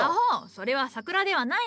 それは桜ではない。